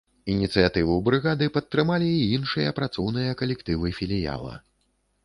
Ініцыятыву брыгады падтрымалі і іншыя працоўныя калектывы філіяла.